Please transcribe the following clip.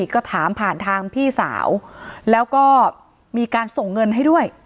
ก็ถามผ่านทางพี่สาวแล้วก็มีการส่งเงินให้ด้วย